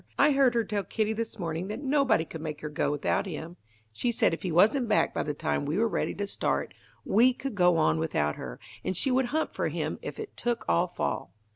"I heard her tell Kitty this morning that nobody could make her go without him. She said if he wasn't back by the time we were ready to start, we could go on without her, and she would hunt for him if it took all fall."